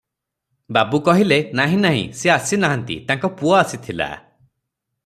ବାବୁ କହିଲେ – ନାହିଁ, ନାହିଁ ସେ ଆସି ନାହାନ୍ତି, ତାଙ୍କ ପୁଅ ଆସିଥିଲା ।